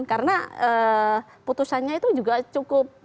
karena putusannya itu juga cukup